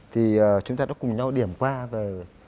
thì chúng ta đã cùng nhau điểm qua về